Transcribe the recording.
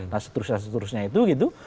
nah seterusnya seterusnya itu gitu